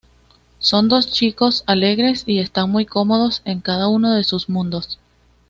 Son dos chicos alegres y están muy cómodos en cada uno de sus mundos.